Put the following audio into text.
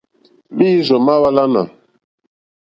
Mǐīrzɔ̀ má hwàlánà.